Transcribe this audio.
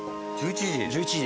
１１時？